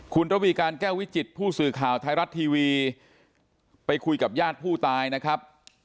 คุณระวีการแก้ววิจิตผู้สื่อข่าวไทยรัฐทีวีไปคุยกับญาติผู้ตายนะครับ